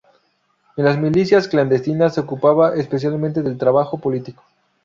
En las milicias clandestinas se ocupaba especialmente del trabajo político.